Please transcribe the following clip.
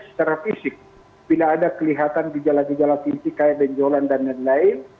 secara fisik bila ada kelihatan gejala gejala fisik kayak benjolan dan lain lain